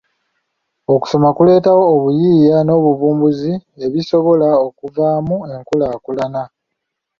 Okusoma kuleetawo obuyiiya n'obuvumbuzi ebisobola okuvaamu enkulaakulana.